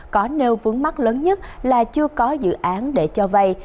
có nêu vướng mắt lớn nhất là chưa có dự án để cho vay